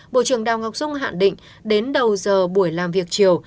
bộ trưởng đào ngọc dung hạn định đến đầu giờ buổi làm việc chiều